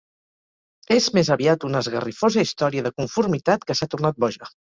És, més aviat, una esgarrifosa història de conformitat que s'ha tornat boja.